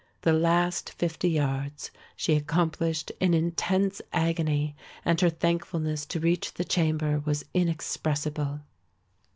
The last 50 yards she accomplished in intense agony and her thankfulness to reach the chamber was inexpressible.